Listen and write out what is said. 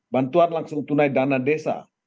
bantuan langsung tunai dana desa